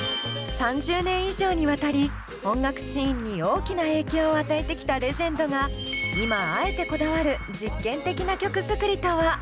３０年以上にわたり音楽シーンに大きな影響を与えてきたレジェンドが今あえてこだわる実験的な曲作りとは？